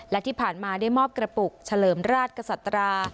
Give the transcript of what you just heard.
และที่ผ่านมาได้มอบกระปุกเฉลิมราชกษัตรา